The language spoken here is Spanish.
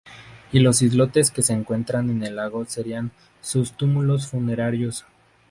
Y los islotes que se encuentran en el lago serían sus túmulos funerarios.